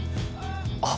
あっ！